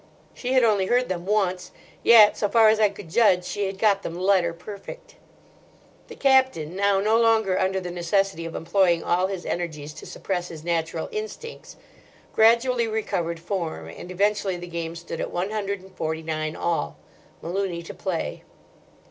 She had only heard them once, yet, so far as I could judge, she had got them letter perfect. The Captain, now no longer under the necessity of employing all his energies to suppress his natural instincts, gradually recovered form, and eventually the game stood at one hundred and forty nine all, Malooney to play.